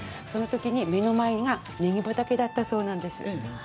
そのときに目の前がねぎ畑だったそうなんです。